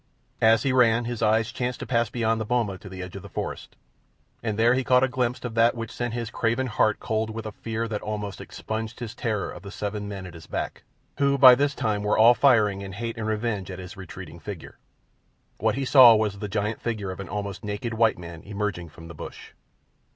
As he ran his eyes chanced to pass beyond the boma to the edge of the forest, and there he caught a glimpse of that which sent his craven heart cold with a fear that almost expunged his terror of the seven men at his back, who by this time were all firing in hate and revenge at his retreating figure. What he saw was the giant figure of an almost naked white man emerging from the bush.